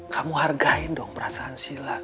kamu hargai dong perasaan sila